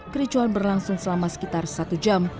kericuan berlangsung selama sekitar satu jam